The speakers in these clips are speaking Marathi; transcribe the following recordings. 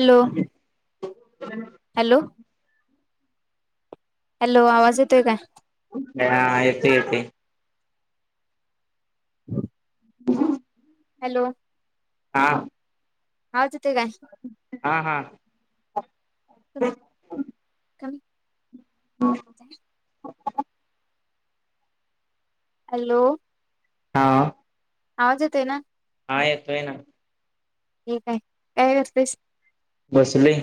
हॅलो हॅलो हॅलो आवाज येतोय का हा येत येते हम हॅलो हा आवाज येतोय काय हा हा क कमी हा हॅलो हा आवाज येतोय का हा येतोय ना ठीक आहे काय करतेस बसलोय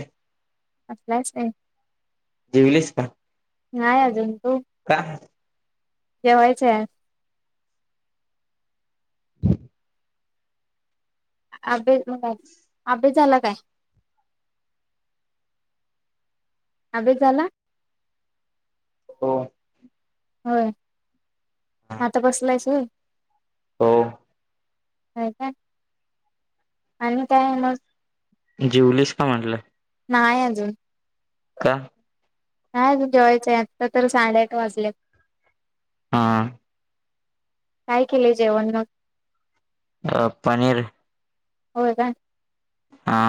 असल्यास काय जेवलीस का नाही अजून तू काय? जेवायचं आभे अबे तू म्हणलंआभ्यस झाला काय? अभ्यास झाला? तो. होय, आता बसलाइस होय. हो होय, काय आणि मग? जेवलीस का म्हटलं? नाही अजून. का? नाई अजून जेवायचंय आत्ता तर साडेआठ वाजलेत. हा. काय केलय जेवण मग? अ पनीर. होय काय. हा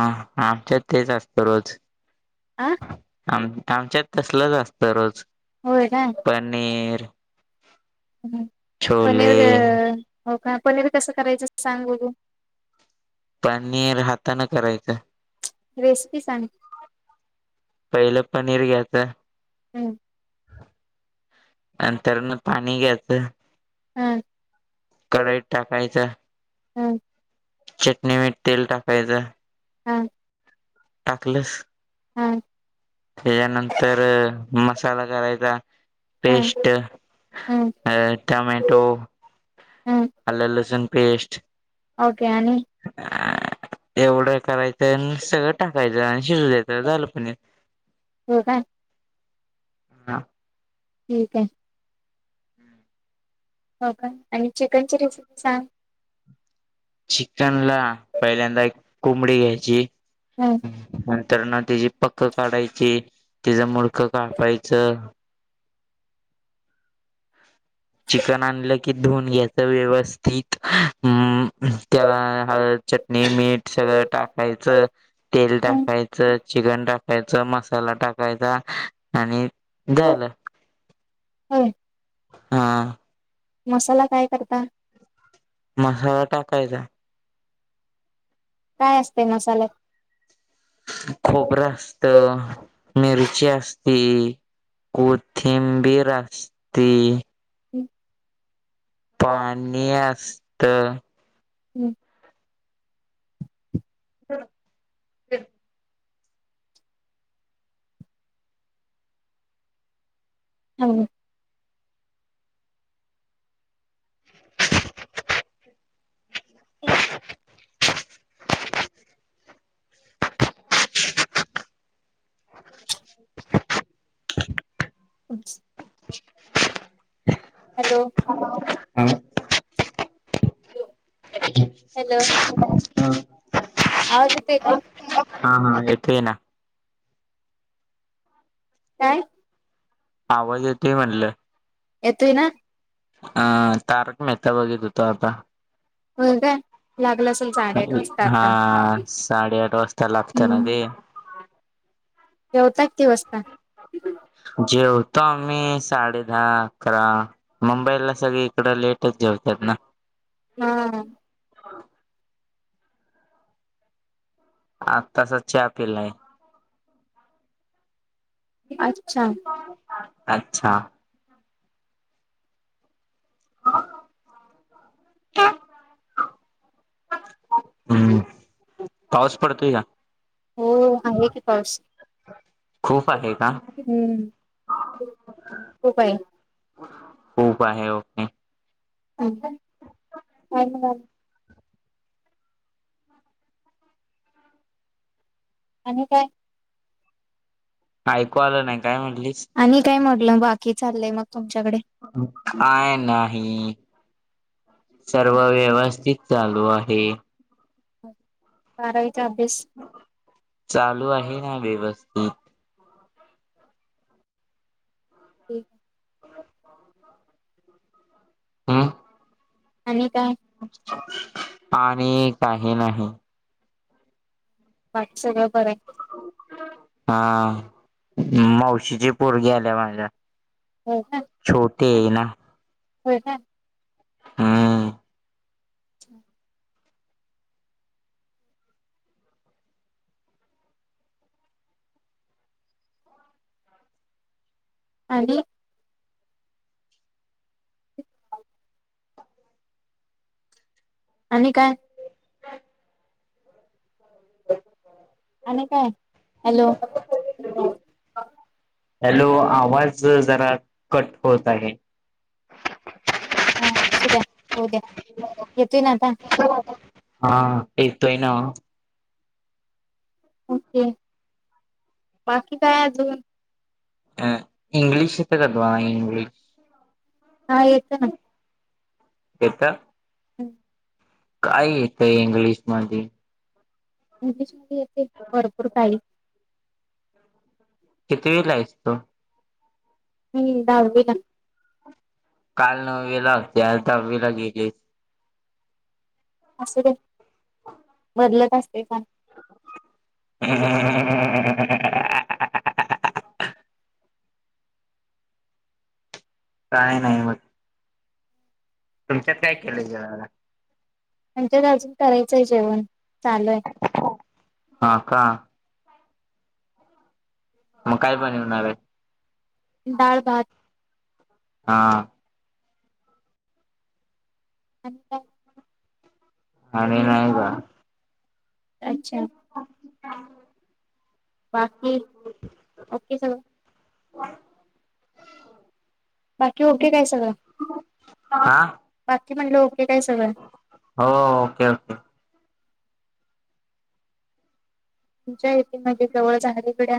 आमच्यात तेच असतं रोज. आ. आम -आमच्यात तसलचं असतं रोज होय पनीर ह पनीर छोले [unintelligible] हो का, पनीर कसं करायचं सांग बघु? पनीर हातानं करायचं. रेसिपी सांग? पहिलं पनीर घ्यायचं हम्म नंतर म पाणी घ्यायचं हं. कढईत टाकायचं हं. चटणी मीठ तेल टाकायचं हं. टाकलस तेज्यानंतर मसाला करायचा पेस्ट ओके अ टामॅटो आल्ल लसून पेस्ट ओके आणि. एवढं करायचं आणि सगळं टाकायचं आणि शिजु द्यायचं झालं पनीर. होय काय. हा. ठीक हाय. हो काय, आणि चिकन चि रेसिपी सांग. चिकन ला पहिल्यांदा एक कोंबडी घ्यायची हम्म. तर ना त्याची पक्कं काढायची, तीच मुडकं कापायचं. चिकन आणलं की धुवून घ्याच व्यवस्थित अं त्याला हळद चटणी मीठ सगळं टाकायचं. तेल हं. टाकायचं चिकन टाक कायच मसाला टाकायचा आणि झालं. होय. हां. मसाला काय करता? मसाला टाकायचा. काय असते मसाल्यात? खोबर असत, मिरची असती, कोथिंबीर असती. [inaudible] पाणी असत, हम्म [unintelligible] हम [inaudible] [inaudible] अच्छ [inaudible] हॅलो हां. हॅलो हां. आवाज येतोय काय? हां हां येतोय ना. काय? आवाज येतोय म्हणलं. येतोय ना? आ तारक मेहता बघीत होतो आता. होय काय. हा साडे-आठ वाजता लागत ना हं. ते. हा [unintelligible] जेवता किती वाजता? जेवतो आम्ही साडे-दहा-अकरा मुंबईला सगळी इकड लेटच जेवतात ना. हा आतासा चहा पिलाय. अच्छा. अच्छा. काय. हम्म पाऊस पडतोय का? हो आहे की पाऊस. खूप आहे का? हम्म खूप आहे. खूप आहे ओके. अछा अ ह [unintelligible] आणि काय? ऐकू आलं नाही काय म्हनल. आणि काय म्हटलं? बाकी चाललंय मग? तुमच्याकडे? काय नाही. सर्व व्यवस्थित चालू आहे. बारावी. चालू आहे ना व्यवस्थित? ठीक हं आणि काय? आणि काही नाही. बाकी सगळं बरं आहे? हां... मावशीची पोरगी आल्या माझ्या. हो काय. ते एइना? होय काय. हां... [inaudible] आणि आणि काय ह [inaudible] ह [unintelligible] आणि काय. हॅलो, हॅलो, आवाज जरा कट होत आहे. ह असू द्या होउद्या येतोय ना आता, हा येतोय ना. ओके. बाकी काय अजून, अ इंग्लिश तर कधवा इंग्लिश [unintelligible] हा येतं ना. येतं. हम् [unintelligible] काय येतंय इंग्लिश मध्ये, मुलींशी येथे भरपूर काळी कितीविला आहेस तू? हम्म, दहावीला काल नववीला होती आज दहावीला गेलीस? असू द्या हो [unintelligible] बदलत असते का [unintelligible] काय नाही मग तुमच्यात काय केलं जेवायला? म्हणजेच अजून करायचंय जेवण चालूय. हा का मग काय बनवनार आहे? डाळ, भात हा आणि काय आणि नाही काय अच्छा [inaudible] बाकी ओके सगळं, वा [unintelligible] बाकी ओके काय सगळं हा बाकी म्हणलं ओके, काय सगळं हो ओके ओके तुमच्या येथे म्हणजे जवळच सगळीकडे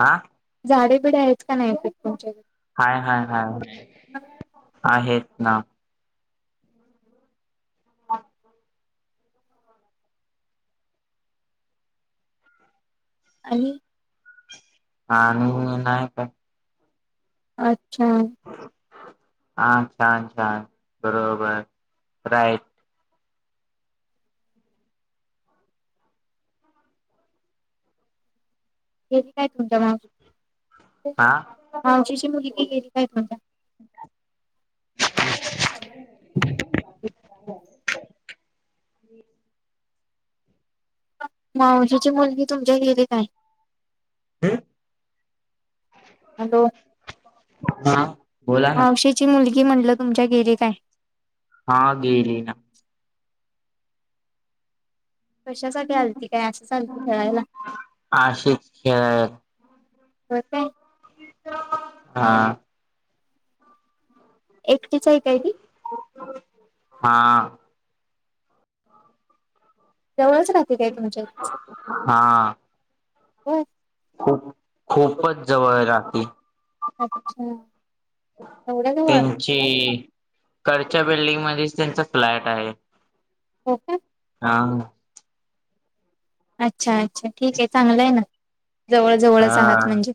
हा झाडे बिडे आहेत ना हाय हाय हाय आहेत ना अच्छा आणि हा आणि नाही काय अच्छा हा छान छान बरोबर राईट गेली काय म्हटल त मावशी हा मावशीची मुलगी गेली काय म्हटल [unintelligible] ह [unintelligible] मावशी ची मुलगी तुमच्या गेली का आहे? हम हॅलो, हा बोला ना मावशिची मुलगी की म्हटलं तुमच्या गेली काय हा गेली ना कशासाठी आलती काय असंच आलती खेळायला आशिष खेळायला होतय हा एकटीच आहे काय ती हा जवळच राहते काय तुमच्या इथच हा होय खूप खूपच जवळ राहीती अच्छा एवढ्या जवळ त्यांची करच्या बिल्डिंगमध्येच त्यांचा फ्लॅट आहे ओके हा अच्छा अच्छा ठीक आहे चांगलं आहे ना जवळ जवळच हा आहात म्हणजे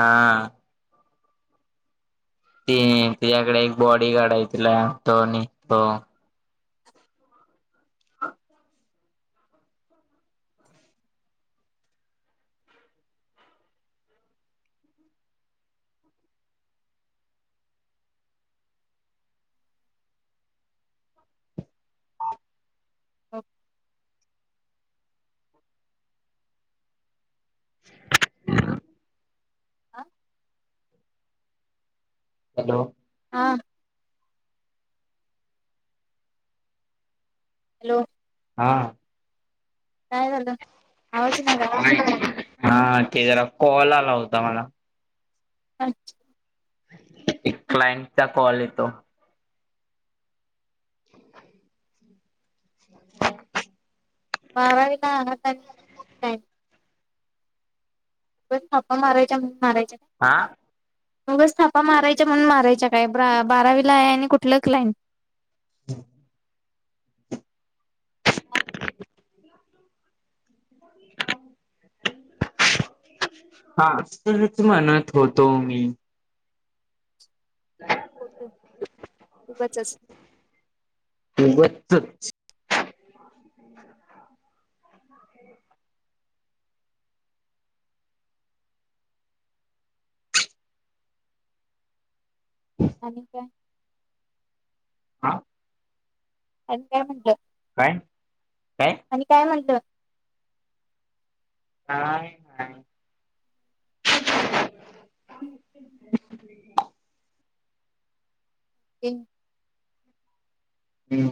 हा ती तिच्या्याकडे एक बॉडी गार्ड आहे तिला दोनी भाऊ ह [unintelligible] हा हॅलो हा हॅलो हा काय झाले हा ते जरा कॉल आला होता मला अच्छा एक क्लायंटचा कॉल येतो [unintelligible] [unintelligible] बारवीला आहात [inaudible] उगाच थापा मारायच्या म्हणून मारायच्या हा ना उगाच थापा मारायच्या म्हणून मारायच्या काय ब बारावीला आहे आणि कुठलंच क्लायंट हम [unintelligible] हा असच म्हणत होतो मी खोट उगचच उगचचं आणि काय हा आणि का म्हटलं काय काय आणि काय म्हणलं काय नाही [inaudible] हम्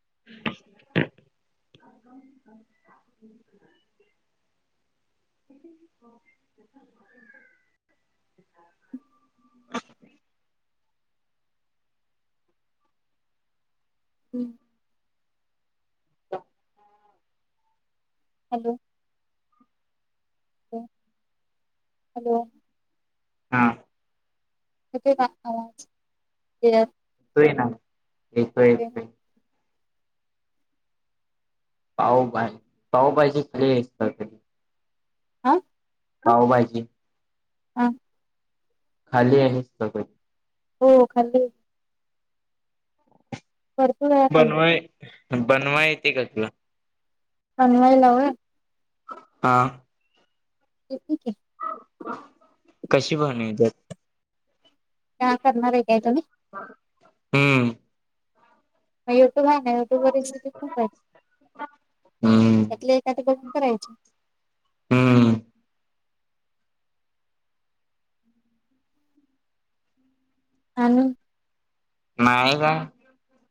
[unintelligible] [unintelligible] [unintelligible] हम्म [unintelligible] हॅलो हॅलो हॅलो हा येतोय काय आवाज क्लियर येतोय, येतोय. [unintelligible] आं? पावभाजी हां. खाल्ली आहेत सगळी हो खाल्ली. भरपूर वेळा खाल्ली बनवाय-बनवाय येते का तुला? बनवायला होय? हां. ते ठीक आहे. कशी बनिवत्यात? का करणार आहे काय तुम्ही? हम्म. युट्यूब आहे ना युट्यूब वर रसिपी खूप आहेत. हम्म त्यातले एखादी बघुन बघ करायची. हम्म आणि [unintelligible]